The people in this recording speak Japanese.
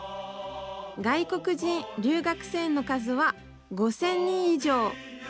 外国人留学生の数は５０００人以上。